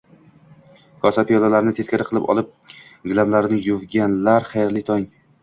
Kosa, piyolalarni teskari qilib olib, gilamlarni yuvganlar, xayrli tong!